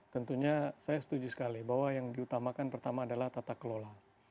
tentunya saya setuju sekali bahwa yang diutamakan pertama adalah tata kelola